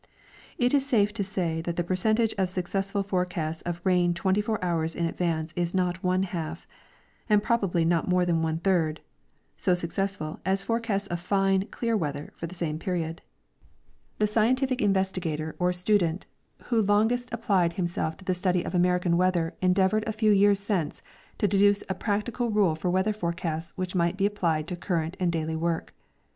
It is safe to say that the percentage of successful forecasts of rain twenty four hours in advance is not one half, and probabl}^ not more than one third, so successful as forecasts of fine, clear weather for the same period. Rules for WeatJier Prediction. 87 The scientific investigator or student who longest apphecl liim self to the study of American weather endeavored a few years since to deduce a practical rule for weather forecasts which might he a]3plied to current and daily work.